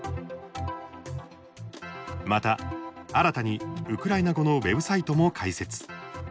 また、新たにウクライナ語のウェブサイトも開設。